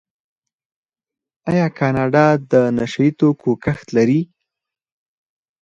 آیا کاناډا د نشه یي توکو کښت لري؟